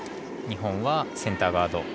日本はセンターガード